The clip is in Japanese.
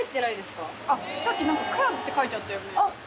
さっき「クラブ」って書いてあったよね。